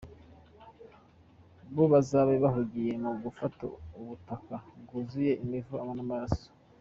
Bo bazabe bahugiye mu gufata ubutaka bwuzuye imivu y’amaraso.